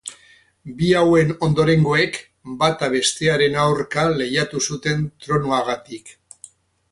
Bi hauen ondorengoek, bata bestearen aurka lehiatu zuten tronuagatik.